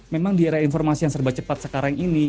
memang di era informasi yang serba cepat sekarang ini